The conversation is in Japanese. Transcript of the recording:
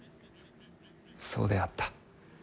そうであった。